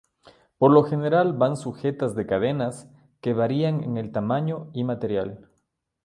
Por lo general van sujetas de cadenas, que varían en el tamaño y material.